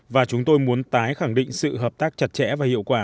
và chúng tôi muốn tái khẳng định sự hợp tác chặt chẽ và hiệu quả